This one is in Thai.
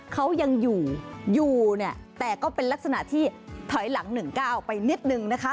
เขายังอยู่อยู่เนี่ยแต่ก็เป็นลักษณะที่ถอยหลัง๑๙ไปนิดนึงนะคะ